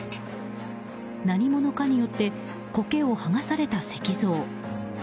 何者かによってコケを剥がされた石像。